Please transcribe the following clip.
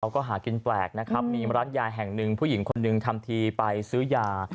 ก็หากินแปลกนะครับมีร้านยาแห่งหนึ่งผู้หญิงคนหนึ่งทำทีไปซื้อยา